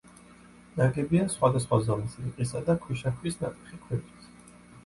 ნაგებია სხვადასხვა ზომის რიყისა და ქვიშაქვის ნატეხი ქვებით.